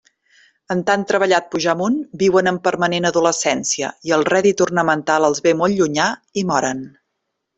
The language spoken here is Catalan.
En tan treballat pujar amunt viuen en permanent adolescència, i el rèdit ornamental els ve molt llunyà, i moren.